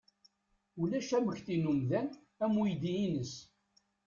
Ulac amekdi n umdan am uydi-ines